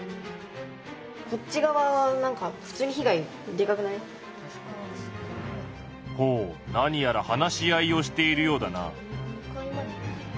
ではほう何やら話し合いをしているようだな。